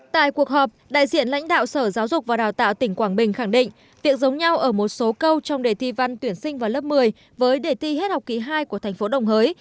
tại cuộc họp đại diện lãnh đạo sở giáo dục và đào tạo tỉnh quảng bình khẳng định việc giống nhau ở một số câu trong đề thi văn tuyển sinh vào lớp một mươi với đề thi hết học kỳ hai của thành phố đồng hới